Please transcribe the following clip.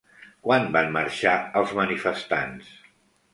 Quan van marxar els manifestants?